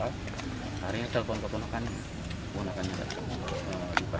akhirnya telpon keponakan menggunakannya gak terluka